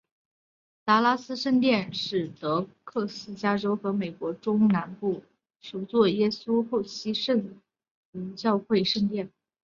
达拉斯圣殿是得克萨斯州和美国中南部首座耶稣基督后期圣徒教会圣殿。